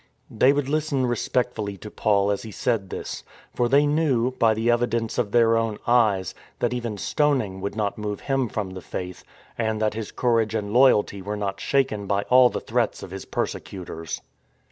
They would listen respectfully to Paul as he said this, for they knew, by the evidence of their own eyes, that even stoning would not move him from the Faith, and that his courage and loyalty were not shaken by all the threats of his persecutors.